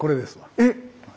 えっ⁉